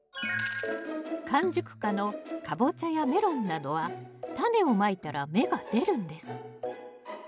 完熟果のカボチャやメロンなどはタネをまいたら芽が出るんです。